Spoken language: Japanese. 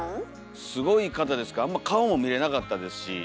すごい方ですからあんま顔も見れなかったですし